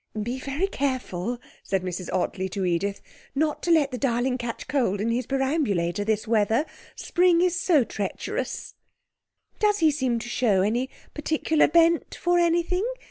'Be very careful,' said Mrs Ottley to Edith, 'not to let the darling catch cold in his perambulator this weather. Spring is so treacherous!' 'Does he seem to show any particular bent for anything?